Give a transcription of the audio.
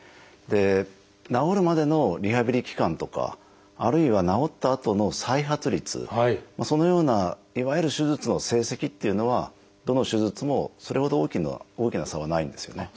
治るまでのリハビリ期間とかあるいは治ったあとの再発率そのようないわゆる手術の成績っていうのはどの手術もそれほど大きな差はないんですよね。